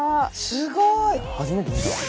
すごい！